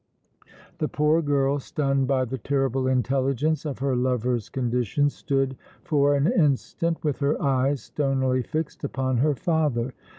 The poor girl, stunned by the terrible intelligence of her lover's condition, stood for an instant with her eyes stonily fixed upon her father.